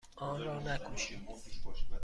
آن را نکشید.